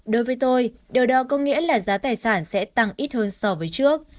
đối với tôi điều đó có nghĩa là giá tài sản sẽ tăng ít hơn so với trước